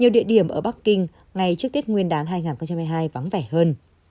địa điểm ở bắc kinh ngay trước tết nguyên đán hai nghìn hai mươi hai vắng vẻ hơn